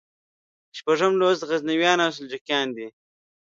شپږم لوست غزنویان او سلجوقیان دي.